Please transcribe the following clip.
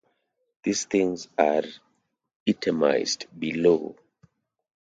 These things are itemized below.